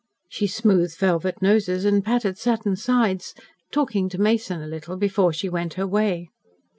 She smoothed velvet noses and patted satin sides, talking to Mason a little before she went her way.